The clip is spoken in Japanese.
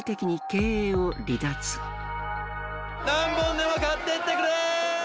何本でも買ってってくれ！